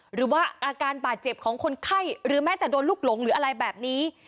หรืออาจารย์ตดลุกลงหรืออะไรแบบนี้